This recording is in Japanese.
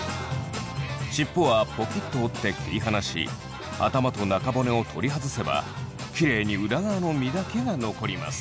尻尾はポキッと折って切り離し頭と中骨を取り外せばキレイに裏側の身だけが残ります。